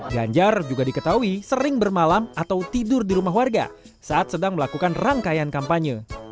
ganjar juga diketahui sering bermalam atau tidur di rumah warga saat sedang melakukan rangkaian kampanye